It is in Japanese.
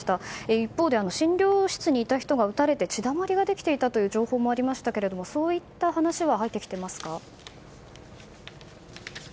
一方で診療室にいた人が撃たれて血だまりができていたという情報もありましたけれどもそういった話は入っていますか。